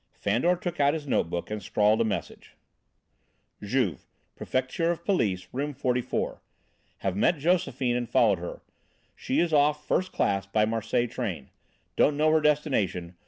Fandor took out his note book and scrawled a message: "Juve, Prefecture of Police, Room 44. "Have met Josephine and followed her. She is off first class, by Marseilles train. Don't know her destination.